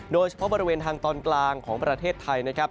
โดยเฉพาะบริเวณทางตอนกลางของประเทศไทยนะครับ